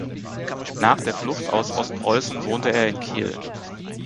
Nach der Flucht aus Ostpreußen wohnte er in Kiel.